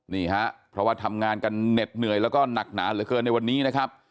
นี่ฮะเพราะว่าทำงานกันเหน็ดเหนื่อยแล้วก็หนักหนาเหลือเกินในวันนี้นะครับ